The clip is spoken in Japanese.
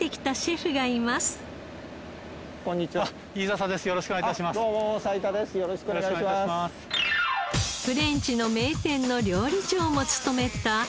フレンチの名店の料理長も務めた飯笹光男シェフ。